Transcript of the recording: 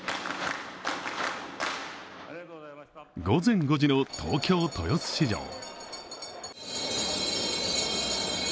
午前５時の東京・豊洲市場。